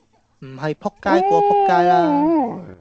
唔係仆街過仆街啦